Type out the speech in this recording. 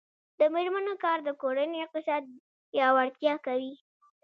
د میرمنو کار د کورنۍ اقتصاد پیاوړتیا کوي.